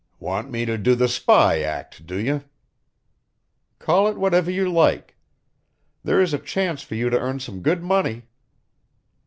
"Want me to do the spy act, do you?" "Call it whatever you like. There is a chance for you to earn some good money."